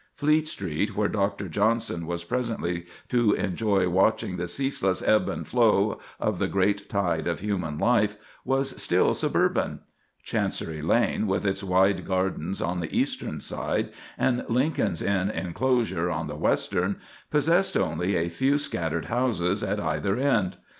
Fleet Street, where Dr. Johnson was presently to enjoy watching the ceaseless ebb and flow of the great tide of human life, was still suburban; Chancery Lane, with its wide gardens on the eastern side and Lincoln's Inn enclosure on the western, possessed only a few scattered houses at either end.